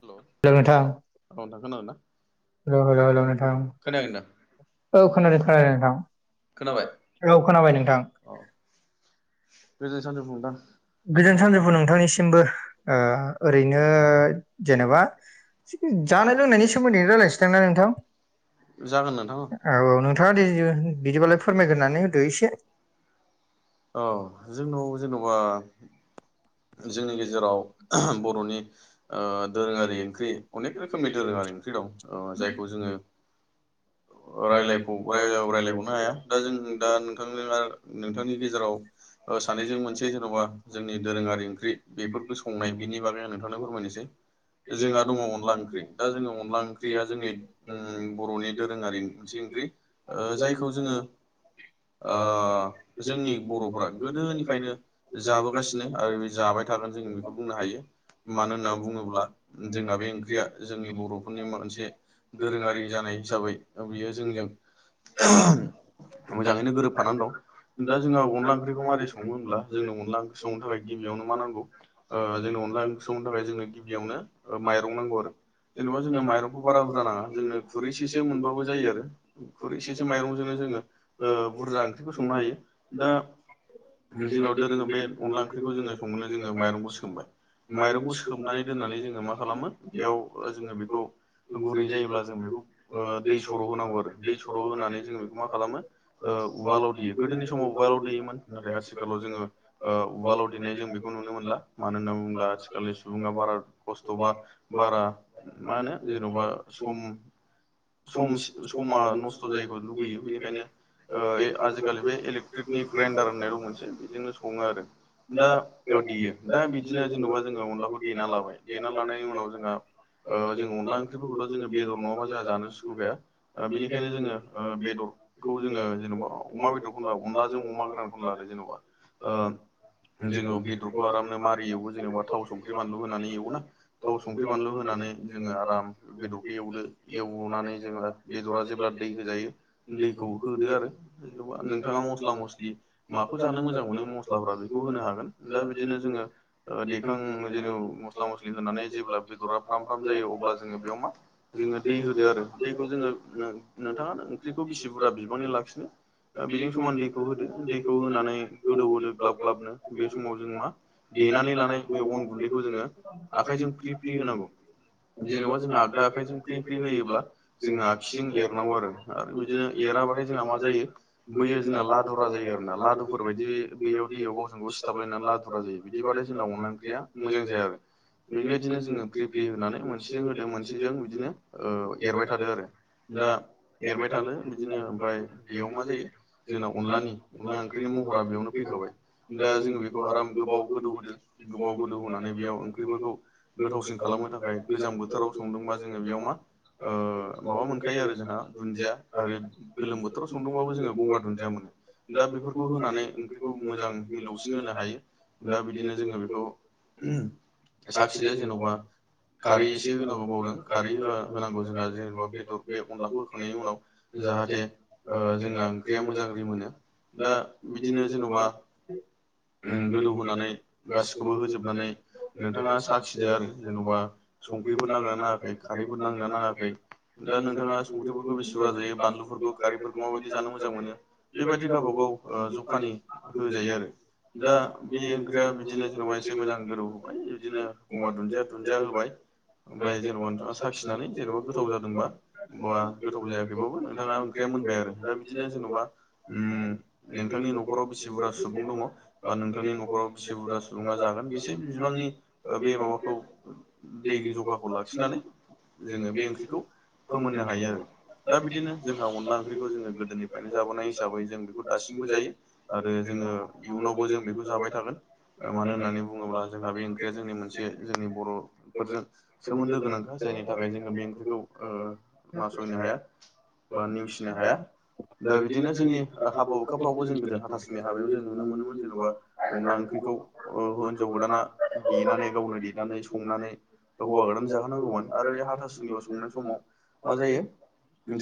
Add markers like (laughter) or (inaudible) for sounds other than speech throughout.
हेल' औ नोंथां खोनादों ना? हेलौ हेलौ हेलौ नोंथां औ खोनादों खोनादों नोंथां औ खोनाबाय नोंथां गोजोन सानजौफु नोंथां गोजोन सानजौफु नोंथांनिसिमबो ओरैनो जेनेबा जानाय लोंनायनि सोमोन्दै रायलायसै दे ना नोंथां जागोन नोंथां अ औ औ नोंथाङा दि बिदिबालाय फोरमायग्रोनानै होदो एसे औ जोंनाव जेनेबा जोंनि गेजेराव बर'नि दोरोङारि ओंख्रि अनेक रोखोमनि दोरोङारि ओंख्रि दं जायखौ जोङो (inaudible) रायलाय रायज्लायबावनो हाया दा जों दा नोंथांनो नोंथांनि गेजेराव सानैजों मोनसे जेन'बा जोंनि दोरोङारि ओंख्रि बेफोरफोरखौ संनाय बिनि बागै आं नोंथांनो फोरमायनोसै जोंहा दङ अनला ओंख्रि दा जोङो अनला ओंख्रिया जोंनि बर'नि दोरोङारि मोनसे ओंख्रि जायखौ जोङो जोंनि बर'फोरा गोदोनिफ्रायनो जाबोगासिनो आरो बे जाबाय थागोन जों बेखौ बुंनो हायो। मानो होनना बुङोब्ला जोंना बे ओंख्रिया जोंनि बर'फोरनि मोनसे दोरोङारि जानाय हिसाबै बियो जोंजों मोजाङैनो गोरोबफानानै दं दा जोंहा अनला ओंख्रिखौ माबोरै सङो होनब्ला जोंनो अनला ओंख्रि संनो थाखाय गिबियावनो मा नांगौ जोंनो अनला ओंख्रि संनो थाखाय जोंनो गिबियावनो माइरं नांगौ आरो। जेनबा जोङो माइरंखौ बारा बुरजा नांडा जोंनो खुरैसेसो मोनबाबो जायो आरो खुरै सेसो माइरंजोंनो जोङो बुरजा ओंख्रिखौ संनो हायो दा जोंनाव दोरोङो बे अनला ओंख्रिखौ जोङो संनो जोङो माइरंखौ सोमबाय। माइरंखौ सोमनानै दोननानै जोङो मा खालामो बेयाव ओ जोङो बेखौ ओ गुरै जायोब्ला जों बेखौ ओ दै स सर' होनांगौ आरो दै सर' होननानै जों बेखौ मा खालामो ओ उवालाव देयो गोदोनि स समाव उवालाव दैेयोमोन नाथाय आथिखालाव जोङो ओ उवालाव देनाय जों बेखौ नुनो मोनला। मानो होनना बुङोब्ला आथिखालनि सुबुङा बारा खस्थ' बा बारा मा होनो जेन'बा सम समसि समा नस्थ' जायिखौ लुगैयो बेनिखायनो ओ ए आजिखालि बे इलेक ट्रिकनि ग्राइडार होननाय दं मोनसे बिदजोंनो सङो आरो दा बेयाव देयो दा बिदि बिदिनो जेन'बा जोङो अनलाखौ देना लाबाय देना लानायनि उनाव जोंहा ओ जों अनला ओंख्रिफोरखौथ' जोङो बेदर नङाबा जा जानो सुखुखाया ओ बेनिखायनो जोङो ओ बेदरखौ‌ जेनेबा अमा‌ बेदरखौनो लाब अनदलाजों अमा गोरानखौनो लादो जेनेबा ओ जोङो बेदरखौ आरामनो मारि एवो जेनेबा थाव संख्रि बानलु होनानै एवोना। थाव संख्रि बानलु होनानै जोङो आराम बेदरखौ एवदो। एवनानै जोङो बेदरा जेब्ला दै होजायो दैखौ होदो आरो (unintelligible) बिथाङा मस्ला मस्लि माखौ जानो मोजां मोनो मस्लाफ्रा बेखौ होनो हागोन दा बिदिनो जोङो ओ दिखां जेन' मस्ला मस्लि होनानै जेब्ला बेदरा फ्राम-फ्राम जायो अब्ला जोङो बेयाव मा जोङो दै होदो आरो दैखौ जोङो नो-नोंथाङा ओंख्रिखौ बिसि बुरजा बिबांनि लाखिनो दा बेजों समान दैखौ होदो दैखौ होनानै गोदौ होदो ग्लाब ग्लाबनो बे समाव जों मा (inaudible) जेन'बा जोंहा आगदा आखायजों फ्रि फ्रि होयोब्ला जोंङो आगसिजों एरनांगौ आरो आरो बिदिनो एराब्लाथाय जोंहा मा जायो बैयो जोंना लादुरा जायो आरो ना लादुफोर बायदि बैयाव दैयाव गावजों गाव सिथाबलायनानै लादुरा जायो। बिदिबाथाय जोंना अनला ओंख्रिया मोजां जाया आरो। बेबायदिनो जोङो फ्रि फ्रि होनानै मोनसेजों होदो मोनसेजों बिदिनो ओ एरबाय थादो आरो दा एरबाय थादों बिदिनो ओमफफ्राय बेयाव मा जायो जोंना अनलानि अनला ओंख्रिनि महरा बेयावनो फैखाबाय दा जोङो बेखौ आराम गोबाव गोदौ होदो। गोबाव गोदौ होनानै बेयाव ओंख्रिफोरखौ गोथावसिन खालामनो थाखाय गोजां बोथोराव संदोंबा जोङो बेयाव मा ओ माबा मोनखायो आरो जोंहा दुन्दिया आरो गोलोम बोथोराव संदोंबाबो जोङो गंगार दुनदिया मोनो दा बेफोरखौ होनानै ओंख्रिखौ मोजां मिलौसिन होनो हायो। दा बिदिनो जोङो बेखौ (inaudible) साखिदो जेन'बा खारै एसे होनांगौ बावदों खारै होआ होनांगौ जोंहा जेनेबा बेदर बे अनलाखौ होखांनायनि उनाव जाहाथे ओ जोंना ओंख्रिया मोजां रिमोनो दा बिदिनो जेन'बा उम गोदौ होनानै गासिखौबो होजोबनानै नोंथाङा साखिदो आरो जेन'बा संख्रिफोर नांगोना नाङाखै खारैफोर नांगोना नाङाखै दा नोंथाङा संख्रिफोरखौ बेसि बुरा जायो बानलुफोरखौ खारैफोरखौ माबायदि जानो मो मोजां मोनो बेबायदि गावबा गाव ओ जखानि होजायो आरो। दा बे ओंख्रिया बिदिनो जेन'बा एसे मोजां गोदौ होबाय बिदिनो गंगार दुन्दिया दुन्दिया होबाय। ओमफ्राय जेन'बा नोंथाङा साखिनानै जेन'बा गोथाव जादोंबा बा गोथाव जायाखैबाबो नोंथाङा ओंख्रिया मोनबाय आरो दा जेन'बा उम नोंथांनि न'खराव बिसि बुरजा सुबुं दङ' बा नोंथांनि न'खराव बेसे बुरजा सुबुङा जागोन बेसे बिबांनि ओ बे माबाखौ दै जखाखौ लाखिनानै जोङो बे ओंख्रिखौ फोमोननो हायो आरो दा बिदिनो जोंहा अनला ओंख्रिखौ जोङो गोद ओंखायनो जाबोनाय हिसाबै जों बेखौ दासिमबो जायो आरो जोङो इयुनावबो जों बेखौ जाबाय थागोन। ओ मानो होननानै बुङोब्ला जोंहा बे ओंख्रिया जोंनि मोनसे जोंनि बर'फोरजों सोमोन्दो गोनांथार। थाखायनो जोङो बे ओंख्रिखौ ओ नासयनो हाया बा नेवसिनो हाया। दा बिदिनो जोंनि ओ हाबा-हुखाफ्रावबो जों गोदो हाथासुनि हाबायाव जों नुनो मोनोमोन जेन'बा अनला ओंख्रिखौ हिन्जाव गोदाना देनानै गावनो देनानै संनानै हौवा गोदान जाहो नांगौमोन आरो बे हाथासुनियाव संनाय समाव मा जायो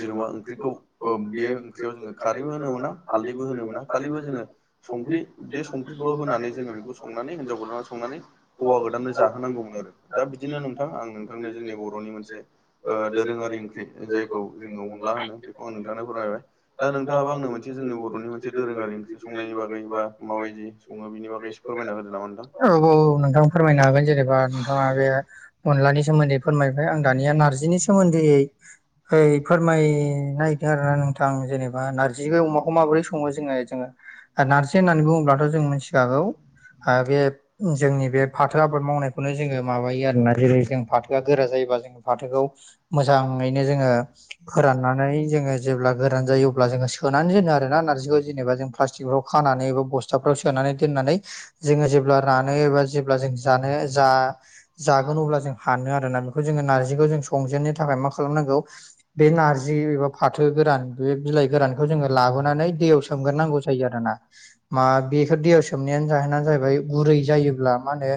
जेन'बा ओंख्रिखौ बेयो ओंख्रियाव जोङो खारैबो होनो मोना हालदैबो होनो मोना खालिबो जोङो संख्रि बे संख्रिखौल' होनानै जोङो बेखौ संनानै हिनजाव गोदाना संनानै हौवा गोदान जाहोनांगौमोन आरो दा बिदिनो नोंथां आं नों थांनो जोंनि बर बर'नि मोनसे दोरोङारि ओंख्रि जायखौ जोङो अनला होनो बेखौ आं नोंथांनो फोरमायबाय दा नोंथाङाबो आंनो मोनसे जोंनि बर'नि मोनसे दोरोङारि ओंख्रि संनायनि बागै बा माबायदि सङो बिनि बागै औ-औ नोंथां फोरमायनो हागोन जेनेबा नोंथाङा बे अनलानि सोमोन्दै फोरमायबाय आं दानिया नारजिनि सोमोन्दै ओइ फोरमायनो नागिरदों आरोना नोंथां जेने बा नारजि अमाखौ माबोरै सङो जोङो जोङो नार्जि होननानै बुङोब्लाथ' जों मिथिखागौ बे जोंनि बे फाथो आबाद मावनायखौनो जोङो माबायो आरोना जेरै जों फाथोआ गोरा जायोबा जों फाथोखौ मोजाङैनो जोङो फोराननानै जोङो जेब्ला गोरान जायो अब्ला जोङो सोनानै दोनो नारजिखौ जेनेबा जों प्लास्टिकफ्राव खानानै बबा बस्थ फिसाफ्राव सोनानै दोननानै जोङो जेब्ला रानो एबा जेब्ला जों जानो जा जागोन अब्ला जों हानो आरोना बेखौ जोङो नार्जिखौ जों संजेननो थाखाय मा खालामनांगौ बे नारजि एबा फाथो गोरान बे बिलाइ गोरानखौ जोङो लाबोनानै दैयाव सोमगोरनांगौ जायो आरोना मा बेखौ दैयाव सो सोबनायानो जाहोना जाहैबाय गुरै जायोब्ला मा होनो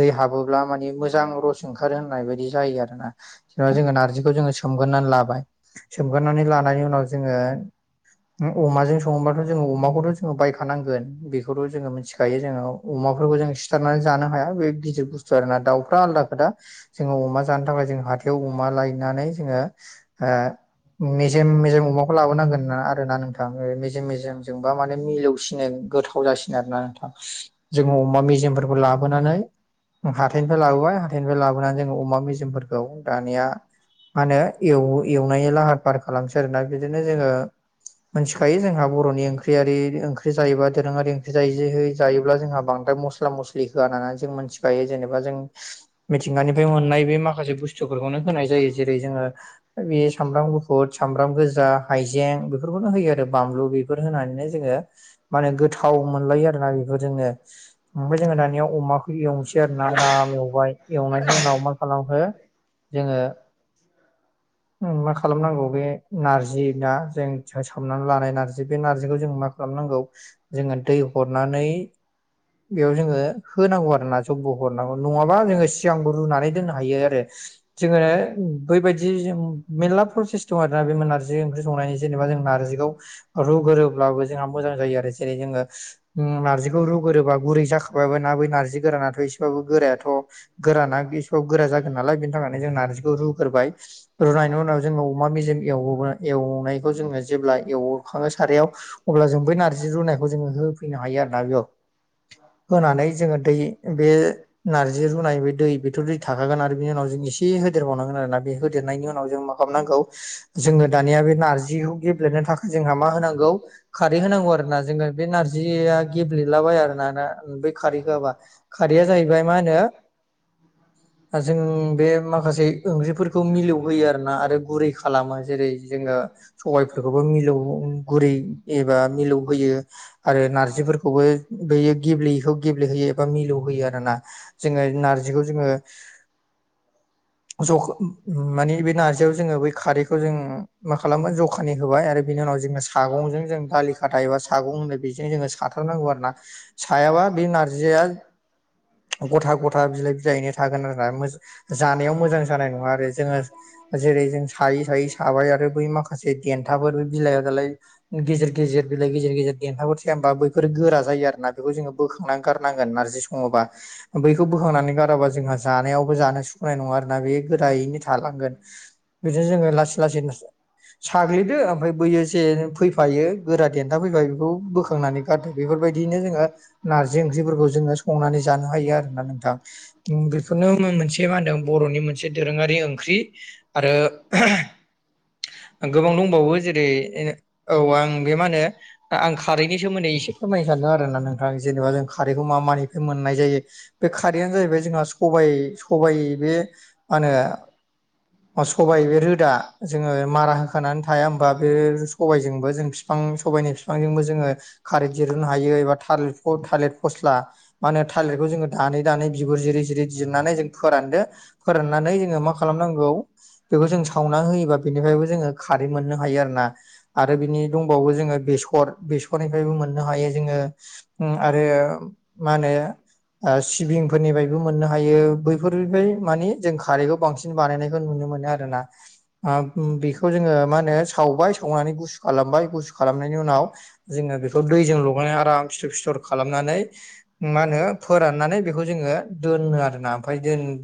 दै हाबोब्ला माने मोजां रस ओंखार होननाय बायदि जायो आरोना जेनेबा जोङो नारजिखौ जोङो सोमगोरनानै लाबाय सोमगारनानै लानायनि उनाव जोङो अमाजों सङोबा जोङो अमखौथ' जोङो बायखानांगोन बेखौथ' जोङो मोनथि जायो जोङो अमाफोरखौ जों सिथारनानै जानो हाया बे गिदिर बुस्थु आरोना दाउफ्रा आलादा खोदा जोङो अमा जानो थाखाय जों हाथायाव अमा लायनानै जोङो ओ मेजेम मेजेम अमाखौ लाबोनांगोना आरोना नोंथां (unintelligible) मेजेम मेजेमजोंबा माने मिलौसिनो गोथाव जासिनो आरोना नोंथां जोङो अमा मेजेमफोरखौ लाबोनानै हाथाइनिफ्राय लाबोबाय हाथाइनिफ्राय लाबो हनानै जोङो अमा मेजेमफोरखौ दानिया मा होनो एव-एवनायनि लाहार फाहार खालामसै आरोना बिदिनो जोङो मिथिखायो जोंहा बर'नि ओंख्रियारि ओंख्रि जायोबा दोरोङारि ओंख्रि जायो जायोब्ला जोंहा बांद्राय मस्ला मस्ला मस्लि होआ होननानै जों मिथिखायो जेनेबा जों मिथिंगानिफ्राय मोननाय बे माखासे बुस्थुफोरखौनो होनाय जायो जेरै जोङो बे सामब्राम गुफुर सामब्राम गोजा हाइजें बेफोरखौनो होयो आरो बानलु बे बेफोर होनानैनो जोङो माने गोथाव मोनलायो आरोना बे बेखौ जोङो ओमफ्राय जोङो दानिया अमाखौ एवनोसै आरो ना दाम एवबाय एवनायनि उनाव मा खालामखो जोङो मा खालामनांगौ बे नारजि ना जों सोमनानै लानाय नारजि बे नार्जिखौ जों मा खालामनांगौ जोङो दै हरनानै बेयाव जोङो होनांगौ आरो ना जब्ब' हरनांगौ नङाबा जोङो सि सिगांबो रुनानै दोननो हायो आरो जोङो बैबायदि जों मेरला प्रसेस दं आरोना बे नारजि ओंख्रि संनायनि जेनेबा जों नारजिखौ रुगोरोब्लाबो जोंहा मोजां जायो आरो जेरै जोङो नारजिखौ रुगोरोबा गुरै जाखाबायाब ना बै नारजि गोरानाथ' एसेबाबो गोरायाथ' गोराना बेसेबाव गोरा जागोन नालाय बेनि थाखायनो जों नारजिखौ रुग्रोबाय रुनायनि उनाव जोङो अमा मेजेम एव- एवनायखौ जोङो जेब्ला एवरखाङो सारायाव अब्ला जों बै नारजि रुनायखौ जोङो होफैनो हायो आरो ना बेयाव होनानै जोङो दै बे नारजि रुनाय ब दै बेथ' दै थाखागोन आरो बिनि उनाव जों एसे होदेरबावनांगोन आरोना बे होदेरनायनि उनाव जों मा खालामनांगौ जोङो दानिया बे नारजिखौ गेब्लेनो थाखाय जोंहा मा होनांगौ खारै होनांगौ आरो ना जोङो बे नारजिया गेब्लेलाबाया आरोना ना खारै हो होबा खारैया जाहैबाय मा होनो जों बे माखासे ओंख्रिफोरखौ मिलौहोयो आरो ना आरो गुरै खालामो जेरै जोङो सबायफोरखौबो मिलौ गुरै एबा मिलौ होयो आरो नारजिफोरखौबो बेयो गेब्लेयैखौ गेब्लेहोयो एबा मिलौ होयो आरो ना जोङो नार जिखौ जोङो जखा माने बे नारजियाव जोङो बै खारैखौ जों मा खालामो जखानि होबाय आरो बिनि उनाव जोङो सागंजों जों दालि खाथा एबा सागं होनो बेजों जोङो साथारनांगौ आरो ना सायाबा बे नारजिया ग'था ग'था बिलाइ बिलाइयैनो थागोन आरो ना जानायाव मोजां जानाय नङा आरो जोङो जेरै जों सायै सायै साबाय आरो बै माखासे देन्थाफोर बिलाइआ दालाय गेजेर गेजेर बिलाइ गेजेर गेजेर देन्थाबो थाया होनबा बैफोर गोरा जायो आरो ना बेखौ जोङो बोखांनानै गारनांगोन नारजि सङोबा बैखौ बोखांनानै गार राबा जोंहा जानायावबो जानो सु सुनाय नङा आरोना बे गोदायैनो थालांगोन बिदिनो जोङो लासै लासैनो साग्लिदो ओमफ्राय बैयो जे फैफायो गोरा देन्था फैफायो बेखौ बोखांनानै बेफोरबायदिनो जोङो नारजि ओंख्रिफोरखौ जोङो संनानै जानो हायो आरो ना नोंथां (unintelligible) बेफोरनो होननांगौ बे मा होनदों बर'नि मोनसे दोरोङारि ओंख्रि आरो गोबां दंबावो जेरै औ आं बे मा होनो आं खारैनि सोमोन्दै एसे फोरमायखादों आरो ना नों जेनेबा जों खारैखौ मा मानिफ्राय मोननाय जायो बे खारैआनो जाहैबाय जोंहा सबाइ सबाइ बे मा होनो सबाय बे रोदा जोङो मारा होखानानै थाया होमबा बे सबायजोंबो जों बिफां सबाइनि बिफांजोंबो जोङो खारै दिरुननो हायो एबा थालिर थ' थालिर फस्ला मा होनो थालिरखौ जोङो दानै दानै बिगुर जिरै जिरै जिरनानै जों फोरानदो फोराननानै जोङो मा खालामनांगौ बेखौ जों सावनानै होयोबा बेनिफ्रायबो जोङो खारै मोननो हायो आरो ना आरो बिनि दंबावो जोङो बेसर बेसरनिफ्रायबो मोननो हायो जोङो आरो मा होनो सिबिंफोरनि बायबो मोननो हायो बै फोरनिफ्राय मानि जों खारैखौ बांसिन बानायनायखौ नुनो मोनो आरो ना बेखौ जोङो मा होनो सावबाय सावनानै गुसु खालामबाय गुसु खालामनायनि उनाव जोङो बेखौ दैजों लगनानै आराम फिथर फिथर खालामनानै मा होनो फोराननानै बे बेखौ जोङो दोनो आरोना ओमफ्राय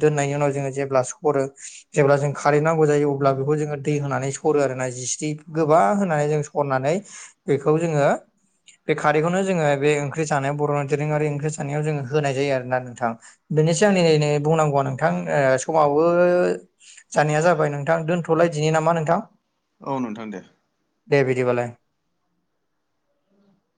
दोननायनि उनाव जोङो जेब्ला सरो जेब्ला जों खारेन्ट नांगौ जायो अब्ला बेखौ जोङो दै होनानै सरो आरो ना जिस गोबा होनानै जों स सरनानै बेखौ जोङो बे खारैखौनो जोङो बे ओंख्रि सानायाव बर'नि दोरङारि ओंख्रि सानायाव जोङो होनाय जायो आरो ना नोंथां बेनि सिगांनिफ्रायनो बुंनांगौआ नोंथां समावबो जानाया जाबाय नोंथां दोनथ'लाय दिनि नामा नोंथां औ नोंथां दे दे बिदिबालाय (inaudible)